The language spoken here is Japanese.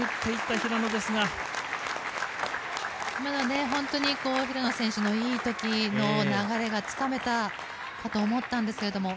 今のは平野選手のいい時の流れがつかめたかと思ったんですけども